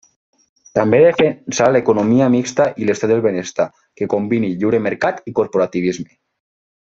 També defensa l'economia mixta i l'estat del benestar que combini lliure mercat i corporativisme.